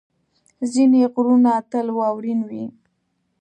ځینې غرونه تل واورین وي.